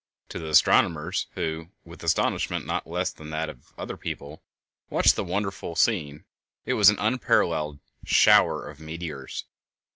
To the astronomers who, with astonishment not less than that of other people, watched the wonderful scene, it was an unparalleled "shower of meteors."